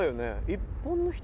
一般の人？